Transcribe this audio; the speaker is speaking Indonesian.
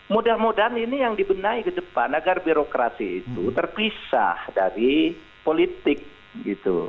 mudah mudahan ini yang dibenahi ke depan agar birokrasi itu terpisah dari politik gitu